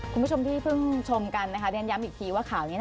คุณผู้ชมที่เพิ่งชมกันนะคะเรียนย้ำอีกทีว่าข่าวนี้